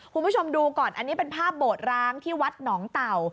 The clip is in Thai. คุณผู้ชมดูก่อนอันนี้เป็นภาพโบสร้างที่วัดหนองเต่า